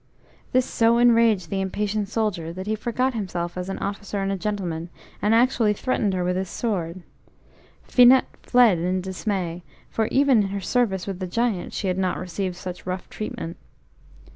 This so enraged the impatient soldier, that he forgot himself as an officer and a gentleman, and actually threatened her with his sword. Finette fled in dismay, for even in her service with the Giant she had not received such rough treatment.